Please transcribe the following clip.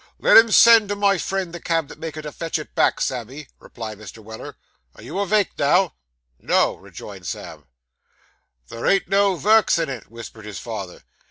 'Let him send to my friend, the cabinet maker, to fetch it back, Sammy,' replied Mr. Weller. 'Are you avake, now?' 'No,' rejoined Sam. 'There ain't no vurks in it,' whispered his father.